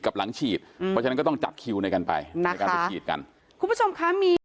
กับหลังฉีดก็ต้องจัดคิวในกันไปคุณผู้ชมค่ะมี